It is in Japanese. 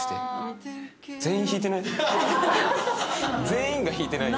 全員が引いてない？